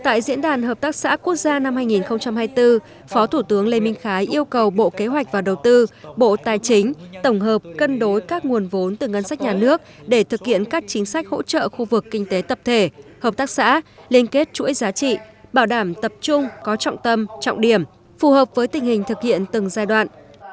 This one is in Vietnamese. tại diễn đàn hợp tác xã quốc gia năm hai nghìn hai mươi bốn phó thủ tướng lê minh khái yêu cầu bộ kế hoạch và đầu tư bộ tài chính tổng hợp cân đối các nguồn vốn từ ngân sách nhà nước để thực hiện các chính sách hỗ trợ khu vực kinh tế tập thể hợp tác xã liên kết chuỗi giá trị bảo đảm tập trung có trọng tâm trọng điểm phù hợp với tình hình thực hiện từng giai đoạn